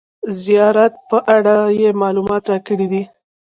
زیارت په اړه یې معلومات راکړي دي.